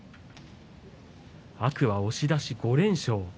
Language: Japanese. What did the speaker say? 天空海、押し出し、５連勝。